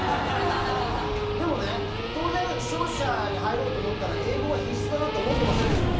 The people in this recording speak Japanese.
でもね当然商社に入ろうと思ったら英語は必須だなって思ってませんでした？